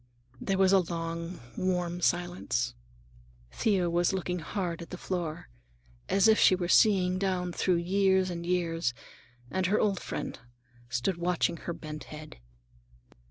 There was a long, warm silence. Thea was looking hard at the floor, as if she were seeing down through years and years, and her old friend stood watching her bent head.